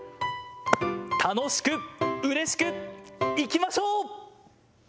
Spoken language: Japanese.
楽しく、うれしく、いきましょう！